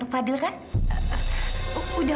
ramasih canggung menahan